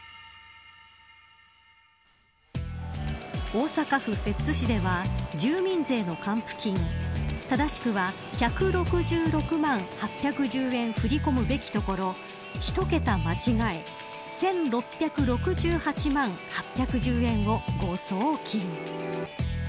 大阪府摂津市では住民税の還付金正しくは１６６万８１０円振り込むべきところを１桁間違え１６６８万８１０円を誤送金。